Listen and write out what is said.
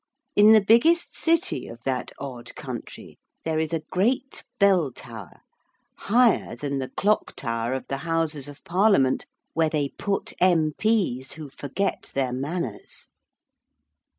In the biggest city of that odd country there is a great bell tower (higher than the clock tower of the Houses of Parliament, where they put M.P.'s who forget their manners).